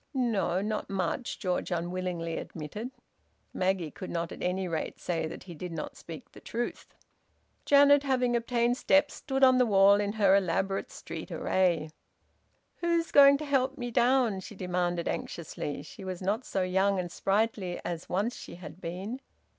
"No, not much," George unwillingly admitted. Maggie could not at any rate say that he did not speak the truth. Janet, having obtained steps, stood on the wall in her elaborate street array. "Who's going to help me down?" she demanded anxiously. She was not so young and sprightly as once she had been.